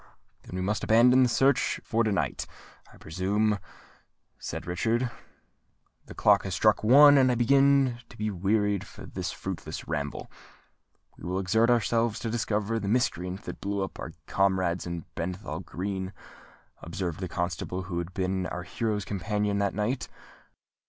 "Then we must abandon the search for to night, I presume," said Richard. "The clock has struck one, and I begin to be wearied of this fruitless ramble." "We will exert ourselves to discover the miscreant that blew up our comrades in Bethnal Green," observed the constable who had been our hero's companion that night.